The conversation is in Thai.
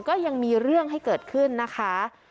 ก็ยังมีเรื่องให้เกิดขึ้นนะคะ